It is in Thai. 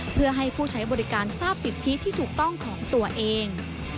เพื่อให้ผู้ใช้บริการทราบสิทธิที่ถูกต้องของตัวเอง